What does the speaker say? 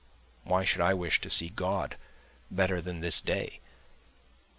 Why should I wish to see God better than this day?